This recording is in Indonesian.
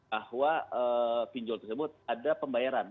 bahwa pinjol tersebut ada pembayaran